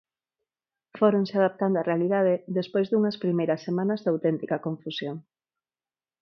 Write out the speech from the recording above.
Fóronse adaptando á realidade despois dunhas primeiras semanas de auténtica confusión.